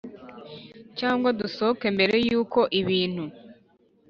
Cyangwa gusohoka mbere y uko ibintu